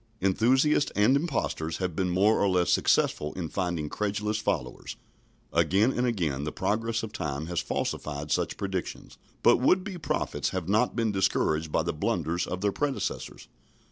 Enthusiasts and impostors have been more or less successful in finding credulous followers. Again and again the progress of time has falsified such predictions, but would be prophets have not been discouraged by the blunders of their predecessors.